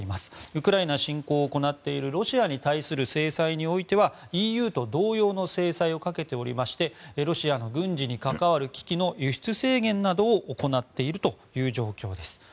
ウクライナ侵攻を行っているロシアに対する制裁においてはＥＵと同様の制裁をかけておりましてロシアの軍事に関わる機器の輸出制限などを行っているという状況です。